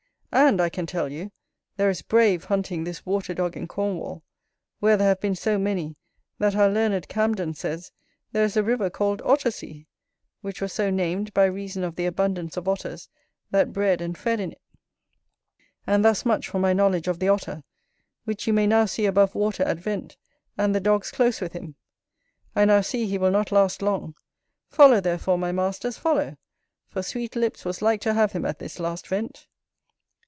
And, I can tell you, there is brave hunting this water dog in Cornwall; where there have been so many, that our learned Camden says there is a river called Ottersey, which was so named by reason of the abundance of Otters that bred and fed in it. And thus much for my knowledge of the Otter; which you may now see above water at vent, and the dogs close with him; I now see he will not last long. Follow, therefore, my masters, follow; for Sweetlips was like to have him at this last vent.